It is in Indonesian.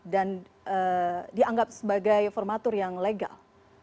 dan dianggap sebagai formatur yang legal